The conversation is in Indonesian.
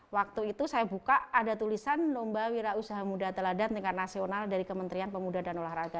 waktu itu saya buka ada tulisan lomba wira usaha muda teladan tingkat nasional dari kementerian pemuda dan olahraga